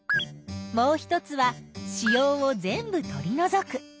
もう一つは子葉を全部とりのぞく。